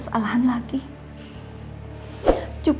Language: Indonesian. sebenernya aku ingin